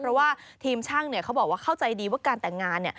เพราะว่าทีมช่างเขาบอกว่าเข้าใจดีว่าการแต่งงาน